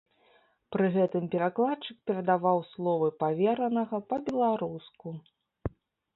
Пры гэтым перакладчык перадаваў словы паверанага па-беларуску.